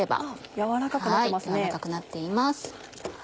軟らかくなっています。